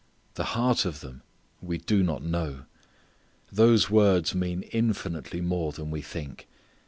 The heart of them we do not know. Those words mean infinitely more than we think.